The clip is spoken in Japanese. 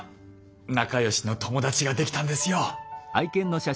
仲良しの友達ができたんですよ。